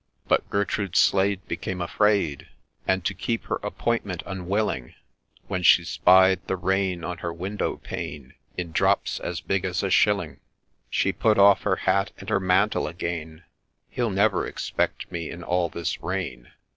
But Gertrude Slade became afraid, And to keep her appointment unwilling, When she spied the rain on her window pane In drops as big as a shilling ; She put off her hat and her mantle again, —' He'll never expect me in all this rain